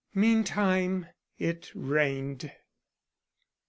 Meantime it rained.